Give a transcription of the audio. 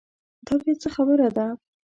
دا بیا څه خبره ده.